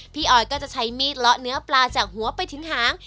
ออยก็จะใช้มีดเลาะเนื้อปลาจากหัวไปถึงหาง